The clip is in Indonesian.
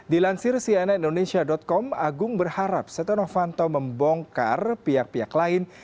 di lansir sianainonensia com agung berharap setelah novanto membongkar pihak pihak lain